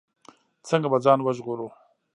څنګه به ځان ژغورو.